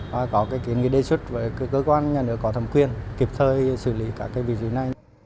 và có cái kiến nghị đề xuất với cơ quan nhà nước có thẩm quyền kịp thời xử lý các vị trí này